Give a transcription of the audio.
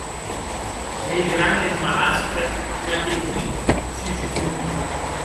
Qu’ei gran eth malastre qu’a queigut sus tu.